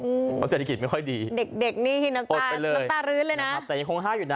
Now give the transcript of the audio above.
เพราะเศรษฐกิจไม่ค่อยดีเด็กนี่น้ำตาเลื้อดเลยนะโปรดไปเลยตะยังคงห้าอยู่น่ะ